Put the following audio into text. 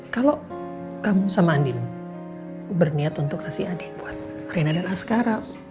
kalau kamu sama andin berniat untuk kasih adik buat arena dan askara